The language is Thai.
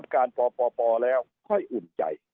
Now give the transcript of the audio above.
การป่าวป่อป่อแล้วค่อยอุ่น